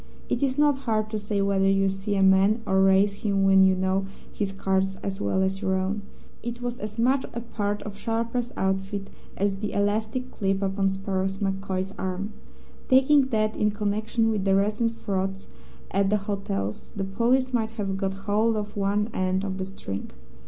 It is not hard to say whether you see a man or raise him when you know his cards as well as your own. It was as much a part of a sharper's outfit as the elastic clip upon Sparrow MacCoy's arm. Taking that, in connection with the recent frauds at the hotels, the police might have got hold of one end of the string.